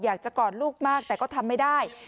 กอดลูกมากแต่ก็ทำไม่ได้